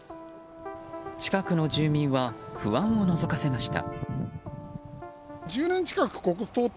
近くの住民は不安をのぞかせました。